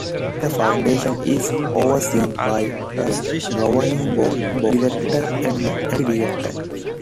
The Foundation is overseen by a Governing Board, Director, and Deputy Director.